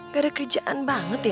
gak ada kerjaan banget ya